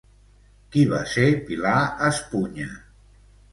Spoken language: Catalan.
Qui va ser Pilar Espuña?